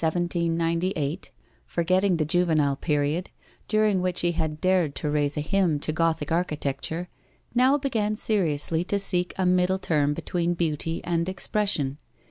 Wolfgang Goethe, in 1798, forgetting the juvenile period, during which he had dared to raise a hymn to Gothic architecture, now began seriously to seek a middle term between beauty and expression.